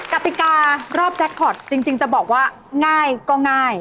กติการอบแจ็คพอร์ตจริงจะบอกว่าง่ายก็ง่าย